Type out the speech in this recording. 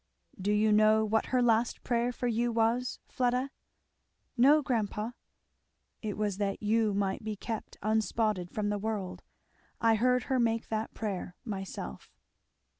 "Do you know what her last prayer for you was, Fleda?" "No, grandpa." "It was that you might be kept 'unspotted from the world.' I heard her make that prayer myself."